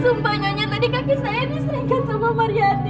sumpah nyonya tadi kaki saya diseringkan sama maryati